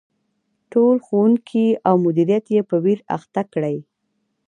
ټول ښوونکي او مدیریت یې په ویر اخته کړي.